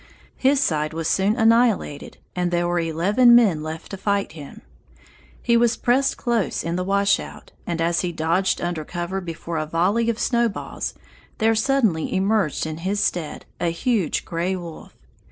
His side was soon annihilated and there were eleven men left to fight him. He was pressed close in the wash out, and as he dodged under cover before a volley of snowballs, there suddenly emerged in his stead a huge gray wolf.